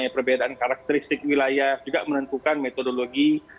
perbedaan karakteristik wilayah juga menentukan metodologi